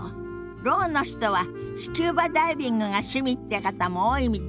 ろうの人はスキューバダイビングが趣味って方も多いみたいなの。